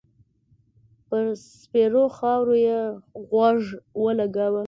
پر سپېرو خاور يې غوږ و لګاوه.